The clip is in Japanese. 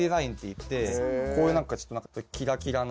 こういうちょっとキラキラな。